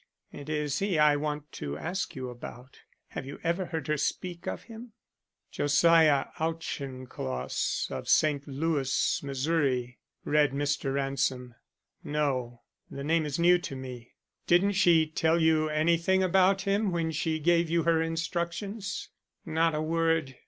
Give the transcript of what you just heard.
It is he I want to ask you about. Have you ever heard her speak of him?" "Josiah Auchincloss of St. Louis, Missouri," read Mr. Ransom. "No, the name is new to me. Didn't she tell you anything about him when she gave you her instructions?" "Not a word.